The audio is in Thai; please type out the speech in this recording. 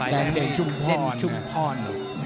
ได้นี่เท่นชุมพร